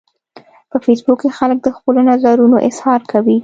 په فېسبوک کې خلک د خپلو نظرونو اظهار کوي